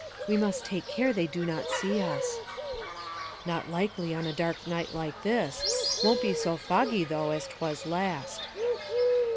"We must take care they do not see us." "Not likely on a dark night like this. Won't be so foggy, though, as 'twas last."